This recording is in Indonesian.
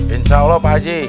insya allah pak haji